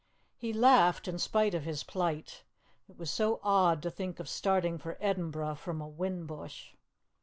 He laughed in spite of his plight; it was so odd to think of starting for Edinburgh from a whin bush.